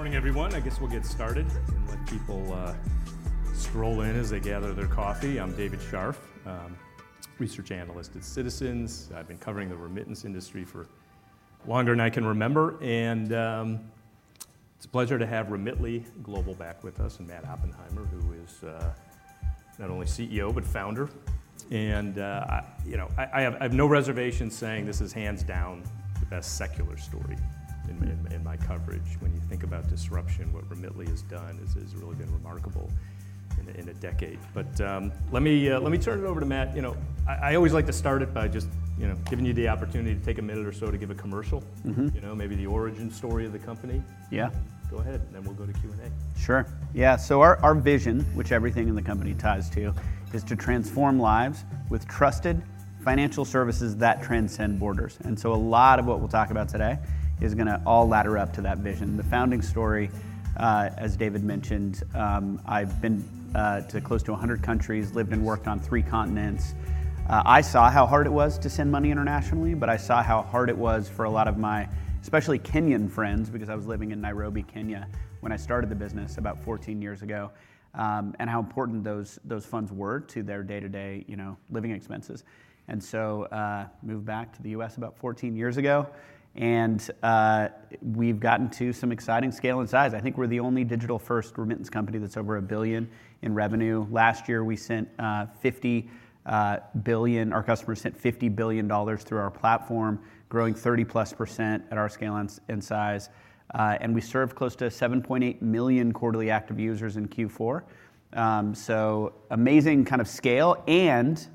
Morning, everyone. I guess we'll get started and let people stroll in as they gather their coffee. I'm David Scharf, research analyst at Citizens. I've been covering the remittance industry for longer than I can remember. And it's a pleasure to have Remitly Global back with us and Matt Oppenheimer, who is not only CEO but founder. And you know, I have no reservations saying this is hands down the best secular story in my coverage. When you think about disruption, what Remitly has done is really been remarkable in a decade. But let me turn it over to Matt. You know, I always like to start it by just you know, giving you the opportunity to take a minute or so to give a commercial. You know, maybe the origin story of the company. Yeah. Go ahead, and then we'll go to Q&A. Sure. Yeah. So our vision, which everything in the company ties to, is to transform lives with trusted financial services that transcend borders. And so a lot of what we'll talk about today is gonna all ladder up to that vision. The founding story, as David mentioned, I've been to close to a hundred countries, lived and worked on three continents. I saw how hard it was to send money internationally, but I saw how hard it was for a lot of my especially Kenyan friends, because I was living in Nairobi, Kenya, when I started the business about 14 years ago, and how important those funds were to their day-to-day, you know, living expenses. And so moved back to the U.S. about 14 years ago, and we've gotten to some exciting scale and size. I think we're the only digital-first remittance company that's over $1 billion in revenue. Last year, our customers sent $50 billion through our platform, growing 30%+ at our scale and size. We serve close to 7.8 million quarterly active users in Q4. So amazing kind of scale, and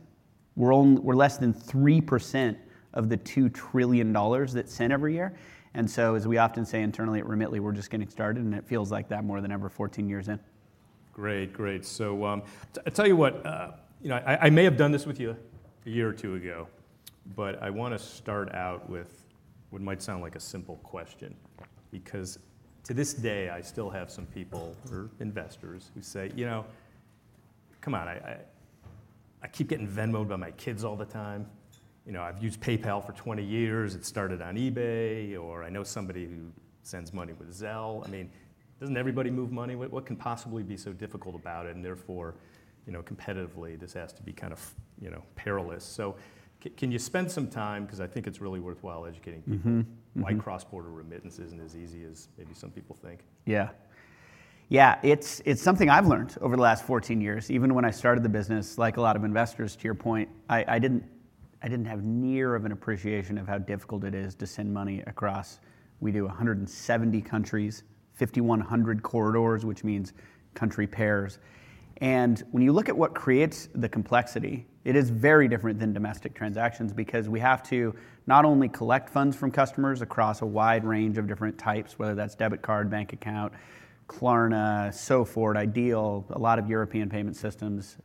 we're only less than 3% of the $2 trillion that's sent every year. As we often say internally at Remitly, we're just getting started, and it feels like that more than ever, 14 years in. Great. Great. So, I'll tell you what, you know, I may have done this with you a year or two ago, but I want to start out with what might sound like a simple question, because to this day, I still have some people or investors who say, you know, come on, I keep getting Venmoed by my kids all the time. You know, I've used PayPal for 20 years. It started on eBay, or I know somebody who sends money with Zelle. I mean, doesn't everybody move money? What can possibly be so difficult about it? And therefore, you know, competitively, this has to be kind of, you know, perilous. So can you spend some time? Because I think it's really worthwhile educating people why cross-border remittance isn't as easy as maybe some people think. Yeah. It's something I've learned over the last 14 years. Even when I started the business, like a lot of investors, to your point, I didn't have nearly an appreciation of how difficult it is to send money across. We do 170 countries, 5,100 corridors, which means country pairs. And when you look at what creates the complexity, it is very different than domestic transactions because we have to not only collect funds from customers across a wide range of different types, whether that's debit card, bank account, Klarna, Sofort, iDEAL, a lot of European payment systems.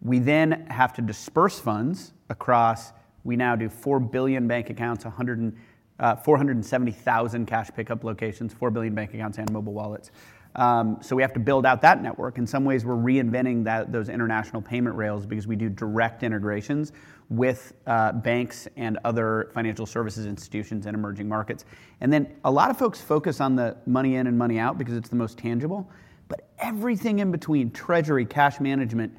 We then have to disburse funds across. We now do 4 billion bank accounts, 470,000 cash pickup locations, 4 billion bank accounts, and mobile wallets. So we have to build out that network. In some ways, we're reinventing those international payment rails because we do direct integrations with banks and other financial services institutions and emerging markets. And then a lot of folks focus on the money in and money out because it's the most tangible, but everything in between, treasury, cash management,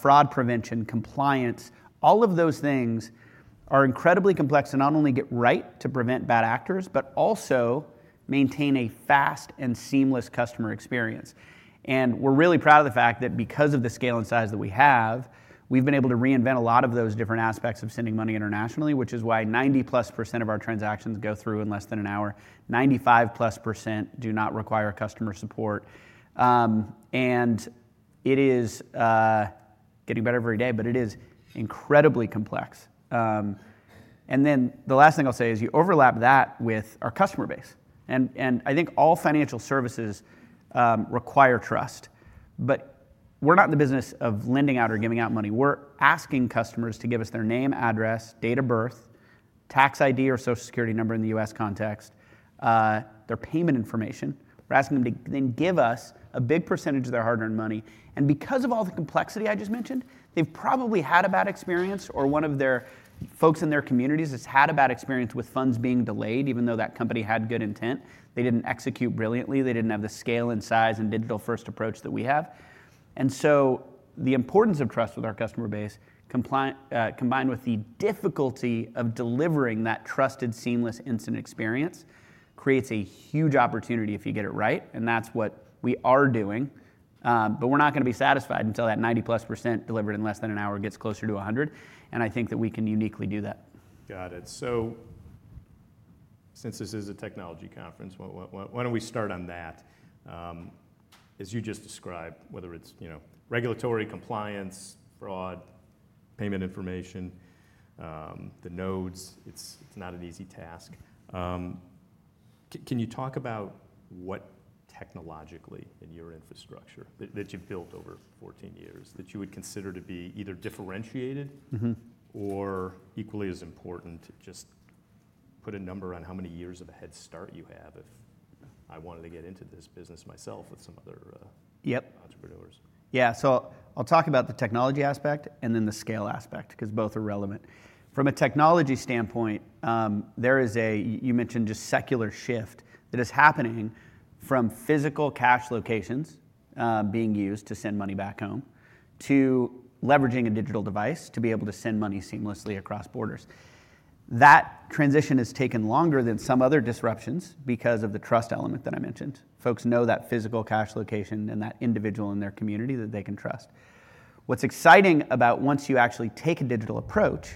fraud prevention, compliance, all of those things are incredibly complex to not only get right to prevent bad actors, but also maintain a fast and seamless customer experience. And we're really proud of the fact that because of the scale and size that we have, we've been able to reinvent a lot of those different aspects of sending money internationally, which is why 90%+ of our transactions go through in less than an hour. 95%+ do not require customer support, and it is getting better every day, but it is incredibly complex. And then the last thing I'll say is you overlap that with our customer base. And I think all financial services require trust, but we're not in the business of lending out or giving out money. We're asking customers to give us their name, address, date of birth, tax ID or Social Security number in the U.S. context, their payment information. We're asking them to then give us a big percentage of their hard-earned money. And because of all the complexity I just mentioned, they've probably had a bad experience, or one of their folks in their communities has had a bad experience with funds being delayed, even though that company had good intent. They didn't execute brilliantly. They didn't have the scale and size and digital-first approach that we have. And so the importance of trust with our customer base, compliant, combined with the difficulty of delivering that trusted, seamless instant experience, creates a huge opportunity if you get it right. And that's what we are doing. But we're not gonna be satisfied until that 90%+ delivered in less than an hour gets closer to 100% and I think that we can uniquely do that. Got it. So since this is a technology conference, what, why don't we start on that? As you just described, whether it's, you know, regulatory, compliance, fraud, payment information, the nodes, it's not an easy task. Can you talk about what technologically in your infrastructure that you've built over 14 years that you would consider to be either differentiated or equally as important, just put a number on how many years of a head start you have if I wanted to get into this business myself with some other entrepreneurs? Yeah, so I'll talk about the technology aspect and then the scale aspect because both are relevant. From a technology standpoint, there is, you mentioned just secular shift that is happening from physical cash locations being used to send money back home to leveraging a digital device to be able to send money seamlessly across borders. That transition has taken longer than some other disruptions because of the trust element that I mentioned. Folks know that physical cash location and that individual in their community that they can trust. What's exciting about once you actually take a digital approach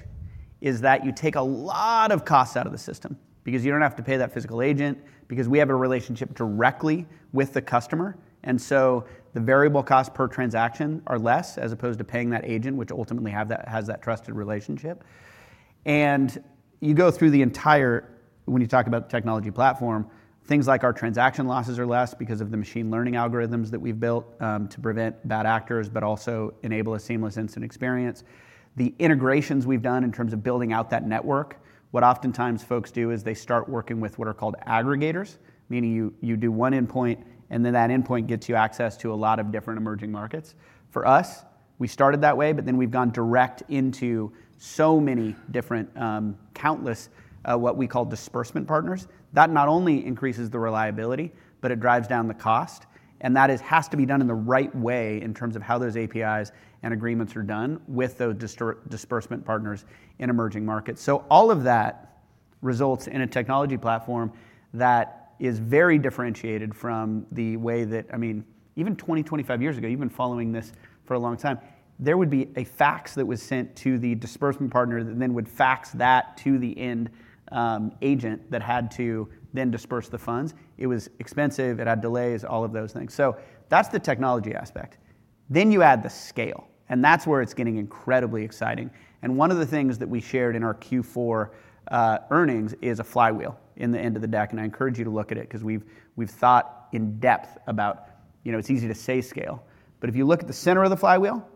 is that you take a lot of costs out of the system because you don't have to pay that physical agent because we have a relationship directly with the customer. And so the variable costs per transaction are less as opposed to paying that agent, which ultimately has that trusted relationship. And you go through the entire, when you talk about the technology platform, things like our transaction losses are less because of the machine learning algorithms that we've built, to prevent bad actors, but also enable a seamless instant experience. The integrations we've done in terms of building out that network, what oftentimes folks do is they start working with what are called aggregators, meaning you do one endpoint and then that endpoint gets you access to a lot of different emerging markets. For us, we started that way, but then we've gone direct into so many different, countless, what we call disbursement partners. That not only increases the reliability, but it drives down the cost. That has to be done in the right way in terms of how those APIs and agreements are done with those disbursement partners in emerging markets. All of that results in a technology platform that is very differentiated from the way that, I mean, even 20, 25 years ago, you've been following this for a long time, there would be a fax that was sent to the disbursement partner that then would fax that to the end agent that had to then disburse the funds. It was expensive. It had delays, all of those things. That's the technology aspect. You add the scale, and that's where it's getting incredibly exciting. One of the things that we shared in our Q4 earnings is a flywheel in the end of the deck. I encourage you to look at it because we've thought in depth about, you know, it's easy to say scale, but if you look at the center of the flywheel,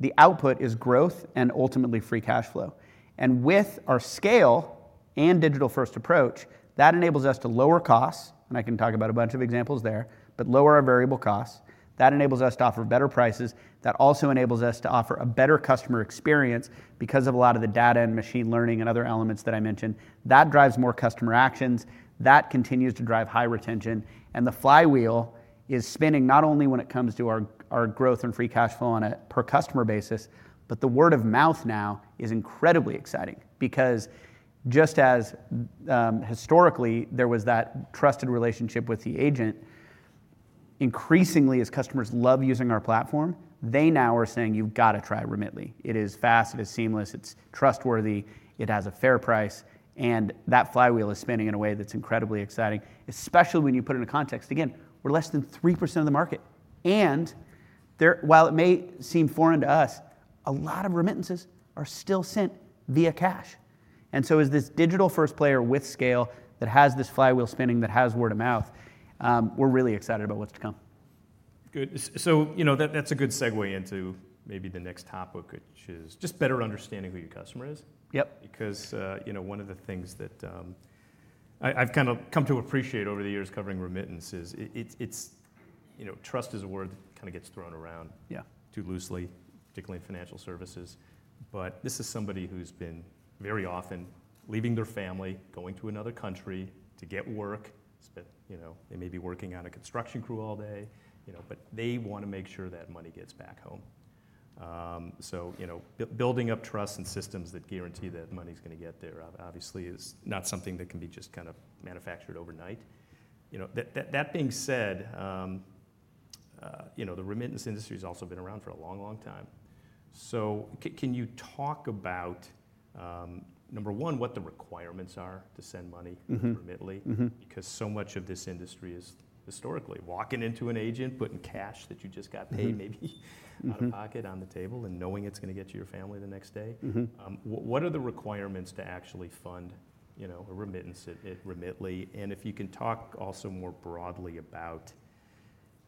the output is growth and ultimately free cash flow. With our scale and digital-first approach, that enables us to lower costs. I can talk about a bunch of examples there, but lower our variable costs. That enables us to offer better prices. That also enables us to offer a better customer experience because of a lot of the data and machine learning and other elements that I mentioned. That drives more customer actions. That continues to drive high retention. And the flywheel is spinning not only when it comes to our growth and free cash flow on a per-customer basis, but the word of mouth now is incredibly exciting because just as historically there was that trusted relationship with the agent. Increasingly as customers love using our platform, they now are saying, "You've gotta try Remitly. It is fast. It is seamless. It's trustworthy. It has a fair price." And that flywheel is spinning in a way that's incredibly exciting, especially when you put it in a context. Again, we're less than 3% of the market. And there, while it may seem foreign to us, a lot of remittances are still sent via cash. And so as this digital-first player with scale that has this flywheel spinning that has word of mouth, we're really excited about what's to come. Good. So, you know, that's a good segue into maybe the next topic, which is just better understanding who your customer is because, you know, one of the things that I've kind of come to appreciate over the years covering remittances is it's, you know, trust is a word that kind of gets thrown around too loosely, particularly in financial services. But this is somebody who's been very often leaving their family, going to another country to get work. It's been, you know, they may be working on a construction crew all day, you know, but they wanna make sure that money gets back home, so, you know, building up trust and systems that guarantee that money's going to get there, obviously is not something that can be just kind of manufactured overnight. You know, that being said, you know, the remittance industry has also been around for a long, long time, so can you talk about, number one, what the requirements are to send money remitly? Because so much of this industry is historically walking into an agent, putting cash that you just got paid maybe out of pocket on the table and knowing it's gonna get to your family the next day. What are the requirements to actually fund, you know, a remittance at Remitly? And if you can talk also more broadly about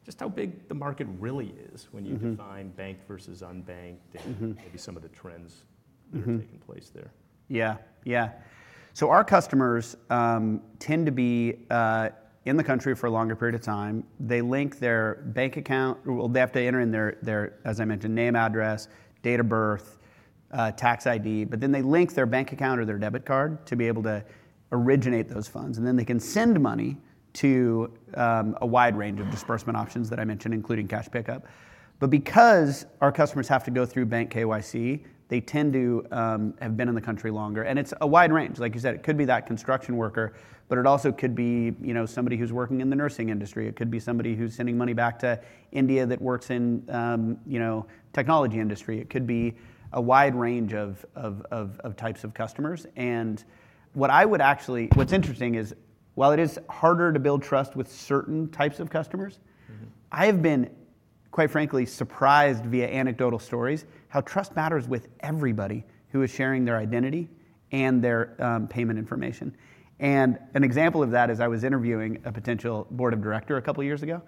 just how big the market really is when you define banked versus unbanked and maybe some of the trends that are taking place there? Yeah. So our customers tend to be in the country for a longer period of time. They link their bank account, or, well, they have to enter in their, as I mentioned, name, address, date of birth, tax ID, but then they link their bank account or their debit card to be able to originate those funds. And then they can send money to a wide range of disbursement options that I mentioned, including cash pickup. But because our customers have to go through bank KYC, they tend to have been in the country longer. And it's a wide range. Like you said, it could be that construction worker, but it also could be, you know, somebody who's working in the nursing industry. It could be somebody who's sending money back to India that works in, you know, technology industry. It could be a wide range of types of customers. What's interesting is while it is harder to build trust with certain types of customers. I have been, quite frankly, surprised via anecdotal stories how trust matters with everybody who is sharing their identity and their payment information. And an example of that is I was interviewing a potential board of director a couple of years ago.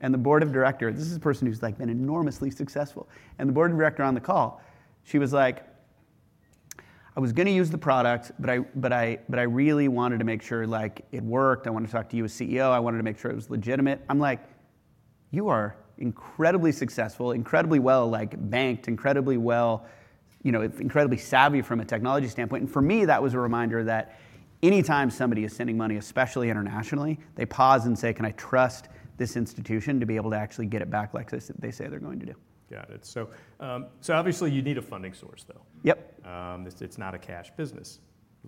And the board of director, this is a person who's like been enormously successful. And the board of director on the call, she was like, "I was gonna use the product, but I, but I, but I really wanted to make sure like it worked. I wanted to talk to you as CEO. I wanted to make sure it was legitimate." I'm like, "You are incredibly successful, incredibly well like banked, incredibly savvy from a technology standpoint." And for me, that was a reminder that anytime somebody is sending money, especially internationally, they pause and say, "Can I trust this institution to be able to actually get it back like they say they're going to do? Got it. So obviously you need a funding source though. Yep. It's not a cash business.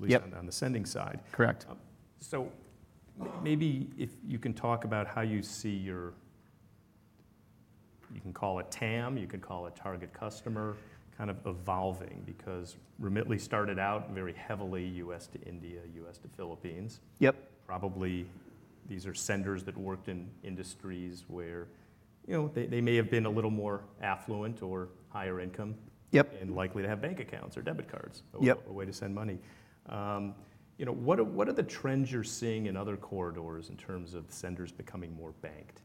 Yep. At least on the sending side. Correct. So maybe if you can talk about how you see your, you can call it TAM, you can call it target customer kind of evolving because Remitly started out very heavily U.S. to India, U.S. to Philippines. Probably these are senders that worked in industries where, you know, they may have been a little more affluent or higher income likely to have bank accounts or debit cards, a way to send money. You know, what are the trends you're seeing in other corridors in terms of senders becoming more banked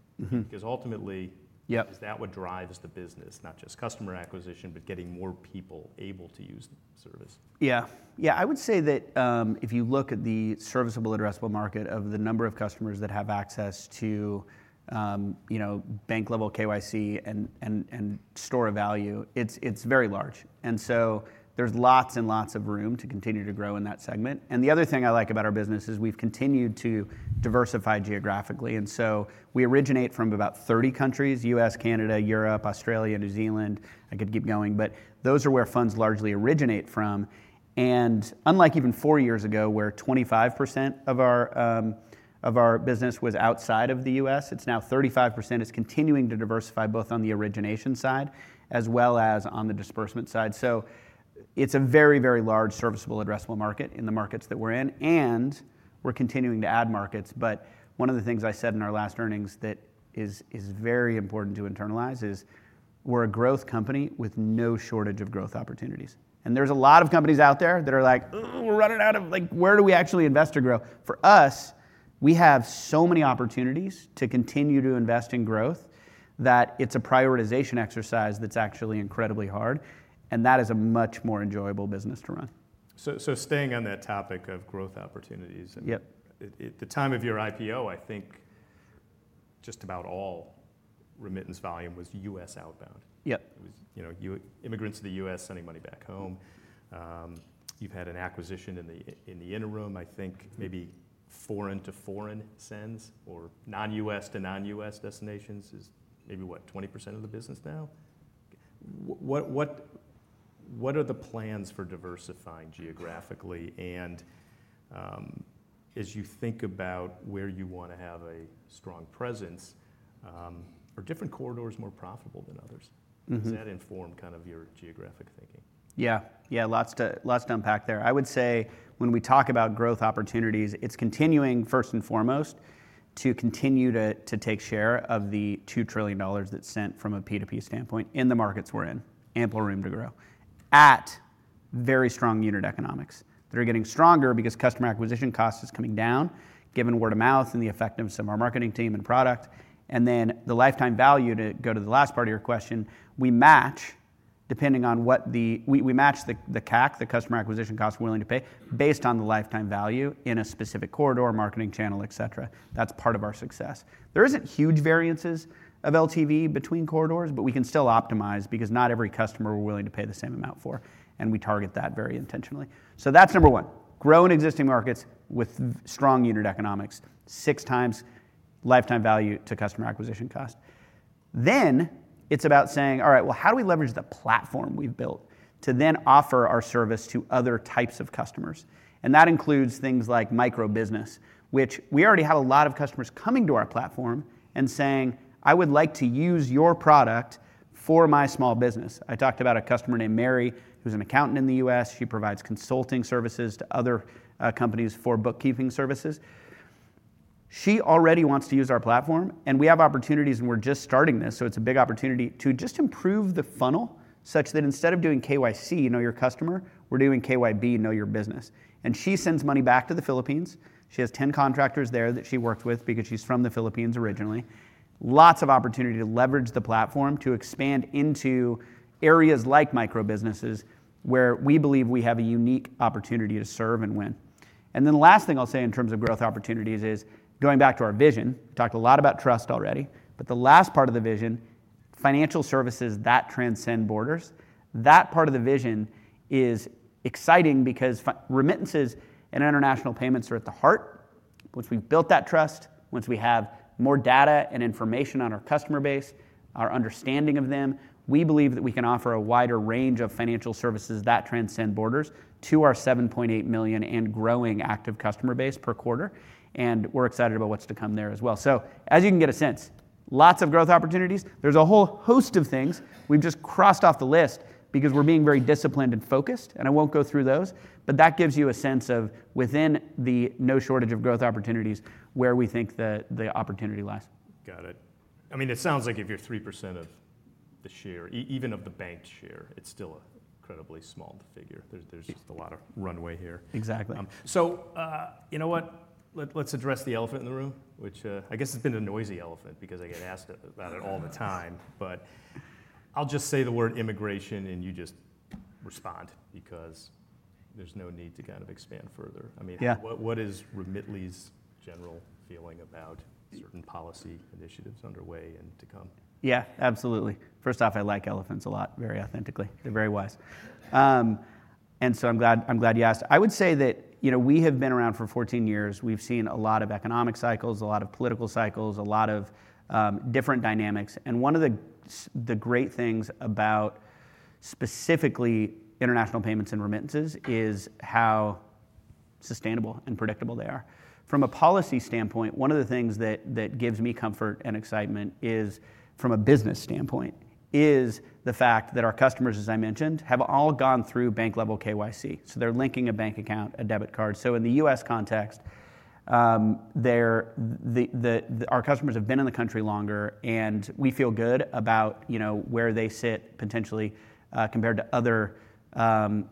because ultimately, is that what drives the business, not just customer acquisition, but getting more people able to use the service? Yeah. I would say that, if you look at the serviceable, addressable market of the number of customers that have access to, you know, bank level KYC and store of value, it's very large. And so there's lots and lots of room to continue to grow in that segment. And the other thing I like about our business is we've continued to diversify geographically. And so we originate from about 30 countries: U.S., Canada, Europe, Australia, New Zealand. I could keep going, but those are where funds largely originate from. And unlike even four years ago where 25% of our business was outside of the U.S., it's now 35%. It's continuing to diversify both on the origination side as well as on the disbursement side. So it's a very, very large serviceable, addressable market in the markets that we're in. We're continuing to add markets. One of the things I said in our last earnings that is very important to internalize is we're a growth company with no shortage of growth opportunities. There's a lot of companies out there that are like, "Oh, we're running out of like, where do we actually invest or grow?" For us, we have so many opportunities to continue to invest in growth that it's a prioritization exercise that's actually incredibly hard. That is a much more enjoyable business to run. So, staying on that topic of growth opportunities, at the time of your IPO, I think just about all remittance volume was U.S. outbound. It was, you know, immigrants to the U.S. sending money back home. You've had an acquisition in the interim, I think maybe foreign to foreign sends or non-U.S. to non-U.S. destinations is maybe what 20% of the business now. What are the plans for diversifying geographically? And, as you think about where you wanna have a strong presence, are different corridors more profitable than others? Does that inform kind of your geographic thinking? Yeah. Lots to unpack there. I would say when we talk about growth opportunities, it's continuing first and foremost to continue to take share of the $2 trillion that's sent from a P2P standpoint in the markets we're in. Ample room to grow at very strong unit economics that are getting stronger because customer acquisition cost is coming down given word of mouth and the effectiveness of our marketing team and product. Then the lifetime value, to go to the last part of your question, we match the CAC, the customer acquisition cost we're willing to pay based on the lifetime value in a specific corridor, marketing channel, etc. That's part of our success. There isn't huge variances of LTV between corridors, but we can still optimize because not every customer we're willing to pay the same amount for, and we target that very intentionally, so that's number one, grow in existing markets with strong unit economics, 6x lifetime value to customer acquisition cost, then it's about saying, "All right, well, how do we leverage the platform we've built to then offer our service to other types of customers?" And that includes things like micro business, which we already have a lot of customers coming to our platform and saying, "I would like to use your product for my small business." I talked about a customer named Mary who's an accountant in the U.S. She provides consulting services to other companies for bookkeeping services. She already wants to use our platform, and we have opportunities, and we're just starting this. So it's a big opportunity to just improve the funnel such that instead of doing KYC, know your customer, we're doing KYB, know your business. And she sends money back to the Philippines. She has 10 contractors there that she worked with because she's from the Philippines originally. Lots of opportunity to leverage the platform to expand into areas like micro businesses where we believe we have a unique opportunity to serve and win. And then the last thing I'll say in terms of growth opportunities is going back to our vision. We talked a lot about trust already, but the last part of the vision, financial services that transcend borders, that part of the vision is exciting because remittances and international payments are at the heart. Once we've built that trust, once we have more data and information on our customer base, our understanding of them, we believe that we can offer a wider range of financial services that transcend borders to our 7.8 million and growing active customer base per quarter, and we're excited about what's to come there as well, so as you can get a sense, lots of growth opportunities. There's a whole host of things we've just crossed off the list because we're being very disciplined and focused, and I won't go through those, but that gives you a sense of, within, there's no shortage of growth opportunities where we think the opportunity lies. Got it. I mean, it sounds like if you're 3% of the share, even of the banked share, it's still an incredibly small figure. There's just a lot of runway here. Exactly. So, you know what? Let's address the elephant in the room, which, I guess it's been a noisy elephant because I get asked about it all the time. But I'll just say the word immigration and you just respond because there's no need to kind of expand further. I mean, what is Remitly's general feeling about certain policy initiatives underway and to come? Yeah, absolutely. First off, I like elephants a lot, very authentically. They're very wise. And so I'm glad, I'm glad you asked. I would say that, you know, we have been around for 14 years. We've seen a lot of economic cycles, a lot of political cycles, a lot of, different dynamics. And one of the, the great things about specifically international payments and remittances is how sustainable and predictable they are. From a policy standpoint, one of the things that, that gives me comfort and excitement is from a business standpoint is the fact that our customers, as I mentioned, have all gone through bank level KYC. So they're linking a bank account, a debit card. So in the U.S. context, they're our customers have been in the country longer, and we feel good about, you know, where they sit potentially, compared to other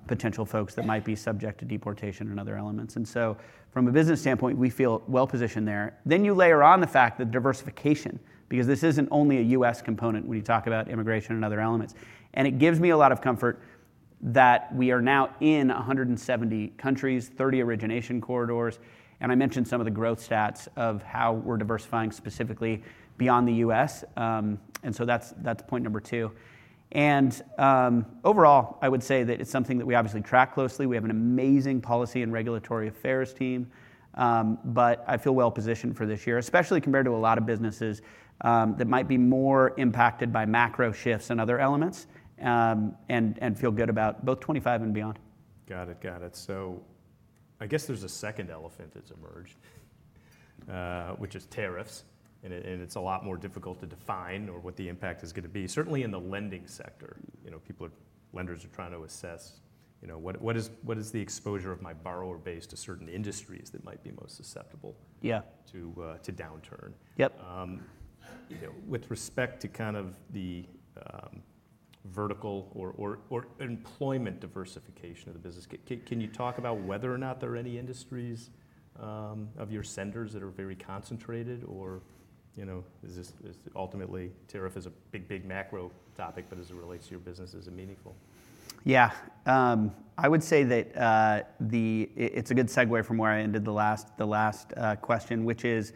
potential folks that might be subject to deportation and other elements, and so from a business standpoint, we feel well-positioned there, then you layer on the fact that diversification, because this isn't only a U.S. component when you talk about immigration and other elements, and it gives me a lot of comfort that we are now in 170 countries, 30 origination corridors, and I mentioned some of the growth stats of how we're diversifying specifically beyond the U.S., and so that's point number two, and overall, I would say that it's something that we obviously track closely. We have an amazing policy and regulatory affairs team. But I feel well positioned for this year, especially compared to a lot of businesses that might be more impacted by macro shifts and other elements, and feel good about both 2025 and beyond. Got it. So I guess there's a second elephant that's emerged, which is tariffs. And it's a lot more difficult to define what the impact is gonna be, certainly in the lending sector. You know, lenders are trying to assess, you know, what is the exposure of my borrower base to certain industries that might be most susceptible to downturn. With respect to kind of the vertical or employment diversification of the business, can you talk about whether or not there are any industries of your senders that are very concentrated or, you know, is this ultimately tariff a big, big macro topic, but as it relates to your business, is it meaningful? Yeah. I would say that it's a good segue from where I ended the last question, which is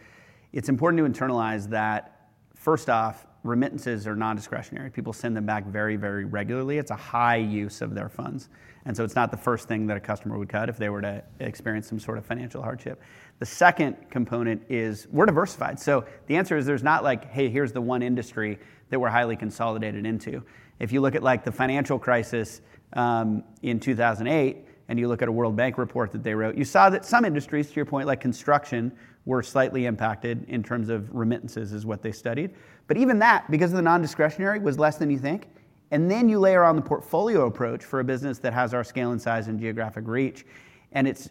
it's important to internalize that first off, remittances are non-discretionary. People send them back very, very regularly. It's a high use of their funds. And so it's not the first thing that a customer would cut if they were to experience some sort of financial hardship. The second component is we're diversified. So the answer is there's not like, "Hey, here's the one industry that we're highly consolidated into." If you look at like the financial crisis, in 2008, and you look at a World Bank report that they wrote, you saw that some industries, to your point, like construction, were slightly impacted in terms of remittances is what they studied. But even that, because of the non-discretionary, was less than you think. And then you layer on the portfolio approach for a business that has our scale and size and geographic reach. And it's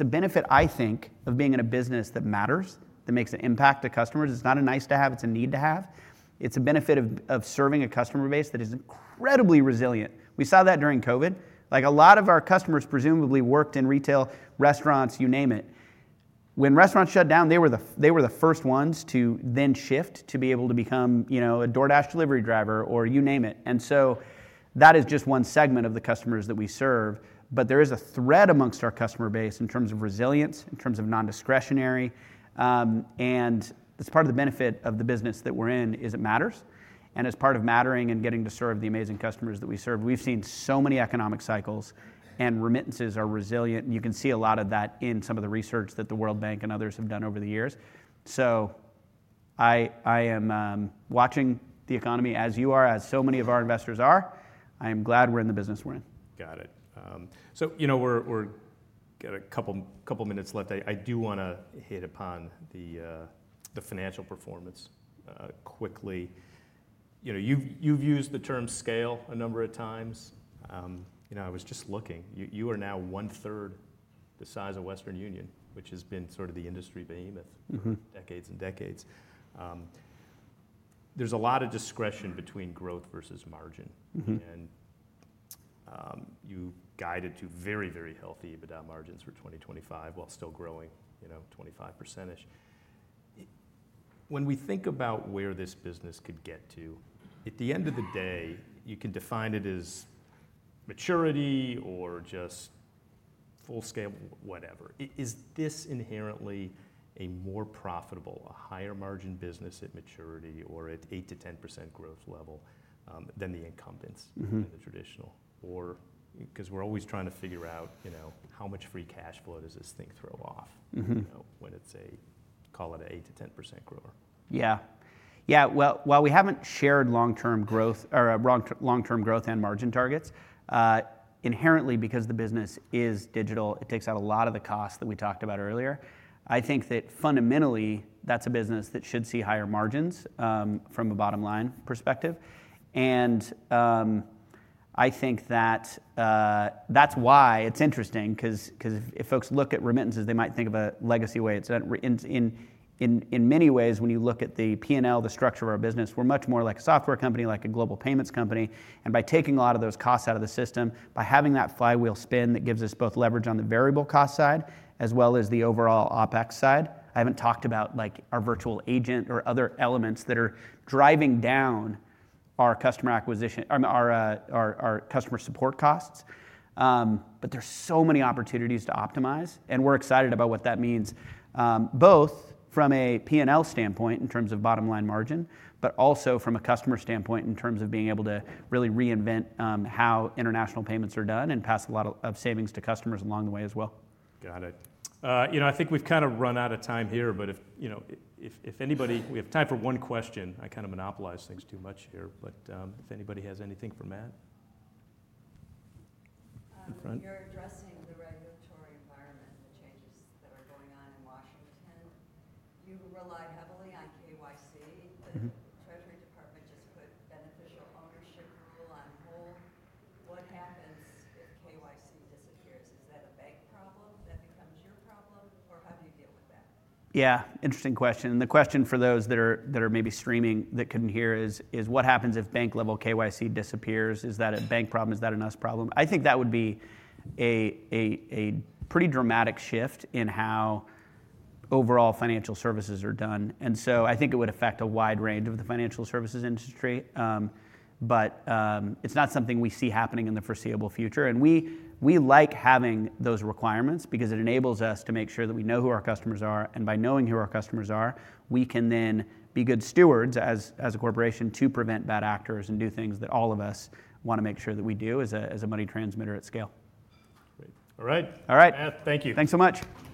a benefit, I think, of being in a business that matters, that makes an impact to customers. It's not a nice to have, it's a need to have. It's a benefit of serving a customer base that is incredibly resilient. We saw that during COVID. Like a lot of our customers presumably worked in retail, restaurants, you name it. When restaurants shut down, they were the first ones to then shift to be able to become, you know, a DoorDash delivery driver or you name it. And so that is just one segment of the customers that we serve. But there is a thread amongst our customer base in terms of resilience, in terms of non-discretionary. And it's part of the benefit of the business that we're in. It matters. And as part of mattering and getting to serve the amazing customers that we serve, we've seen so many economic cycles, and remittances are resilient. And you can see a lot of that in some of the research that the World Bank and others have done over the years. So I am watching the economy as you are, as so many of our investors are. I am glad we're in the business we're in. Got it. So, you know, we're got a couple minutes left. I do wanna hit upon the financial performance, quickly. You know, you've used the term scale a number of times. You know, I was just looking, you are now 1/3 the size of Western Union, which has been sort of the industry behemoth for decades and decades. There's a lot of discretion between growth versus margin. You guided to very, very healthy EBITDA margins for 2025 while still growing, you know, 25%-ish. When we think about where this business could get to, at the end of the day, you can define it as maturity or just full scale, whatever. Is this inherently a more profitable, a higher margin business at maturity or at 8%-10% growth level, than the incumbents and the traditional, bcause we're always trying to figure out, you know, how much free cash flow does this thing throw off you know, when it's a, call it an 8%-10% grower? Yeah. Well, while we haven't shared long-term growth or long-term growth and margin targets, inherently, because the business is digital, it takes out a lot of the costs that we talked about earlier. I think that fundamentally that's a business that should see higher margins, from a bottom line perspective. And I think that that's why it's interesting because if folks look at remittances, they might think of a legacy way. It's in many ways, when you look at the P&L, the structure of our business, we're much more like a software company, like a global payments company. And by taking a lot of those costs out of the system, by having that flywheel spin that gives us both leverage on the variable cost side as well as the overall OpEx side. I haven't talked about like our virtual agent or other elements that are driving down our customer support costs. But there's so many opportunities to optimize, and we're excited about what that means, both from a P&L standpoint in terms of bottom line margin, but also from a customer standpoint in terms of being able to really reinvent, how international payments are done and pass a lot of savings to customers along the way as well. Got it. You know, I think we've kind of run out of time here, but, you know, if anybody, we have time for one question. I kind of monopolize things too much here, but if anybody has anything for Matt in front. You're addressing the regulatory environment, the changes that are going on in Washington. You rely heavily on KYC, but the Treasury Department just put Beneficial Ownership Rule on hold. What happens if KYC disappears? Is that a bank problem that becomes your problem, or how do you deal with that? Yeah. Interesting question. And the question for those that are maybe streaming that can hear is, is what happens if bank level KYC disappears? Is that a bank problem? Is that a U.S. problem? I think that would be a pretty dramatic shift in how overall financial services are done. And so I think it would affect a wide range of the financial services industry. But, it's not something we see happening in the foreseeable future. And we like having those requirements because it enables us to make sure that we know who our customers are. And by knowing who our customers are, we can then be good stewards as a corporation to prevent bad actors and do things that all of us wanna make sure that we do as a money transmitter at scale. Great. All right. Matt, thank you. Thanks so much.